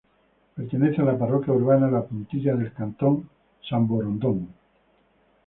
Pertenece a la parroquia urbana La Puntilla del cantón Samborondón.